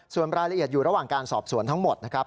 ส่วนรายละเอียดอยู่ระหว่างการสอบสวนทั้งหมดนะครับ